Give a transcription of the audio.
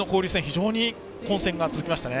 非常に混戦が続きましたね。